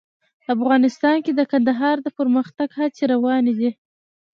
افغانستان کې د کندهار د پرمختګ هڅې روانې دي.